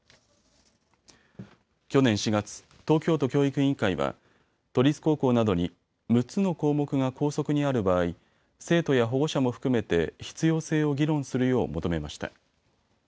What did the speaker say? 去年４月、東京都教育委員会は都立高校などに６つの項目が校則にある場合、生徒や保護者も含めて必要性を議論するよう求めました。